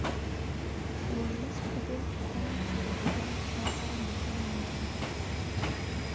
ورلسټ په دې عقیده وو چې روهیله له شاه سره ملګري نه شي.